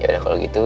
yaudah kalau gitu